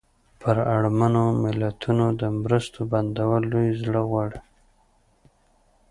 پر اړمنو ملتونو د مرستو بندول لوی زړه غواړي.